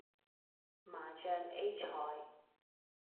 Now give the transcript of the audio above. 麻醬 A 菜